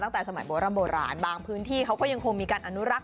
ตั้งแต่สมัยโบร่ำโบราณบางพื้นที่เขาก็ยังคงมีการอนุรักษ